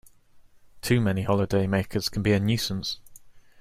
Too many holidaymakers can be a nuisance